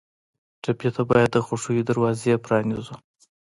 ټپي ته باید د خوښیو دروازې پرانیزو.